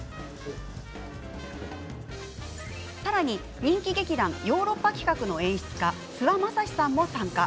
さらに、人気劇団ヨーロッパ企画の演出家諏訪雅さんも参加。